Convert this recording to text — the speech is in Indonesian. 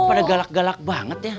pada galak galak banget ya